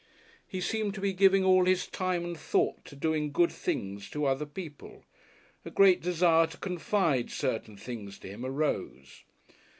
He seemed to be giving all his time and thought to doing good things to other people. A great desire to confide certain things to him arose.